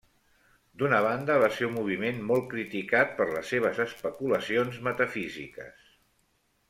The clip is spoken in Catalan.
D'una banda, va ser un moviment molt criticat per les seves especulacions metafísiques.